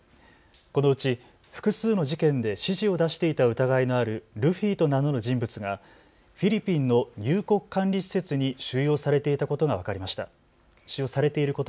このうち複数の事件で指示を出していた疑いのあるルフィと名乗る人物がフィリピンの入国管理施設に収容されていることが分かりました。